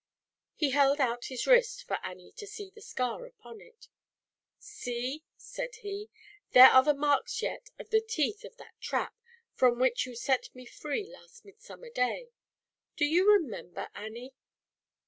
He held out his wrist for Annie to e the scar upon it. "See," said he, ere are the marks yet of the teeth of : trap, from which you set me free st Midsummer Day. Do you remem r, Annie?"